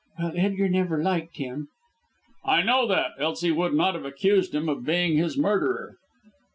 "Well, Edgar never liked him." "I know that, else he would not have accused him of being his murderer."